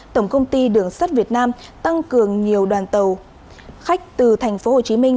tổng công ty đường sắt việt nam tăng cường nhiều đoàn tàu khách từ thành phố hồ chí minh